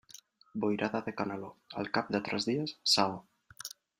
Boirada de canaló, al cap de tres dies, saó.